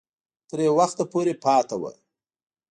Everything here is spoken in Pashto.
تر یو وخته پورې پاته وو.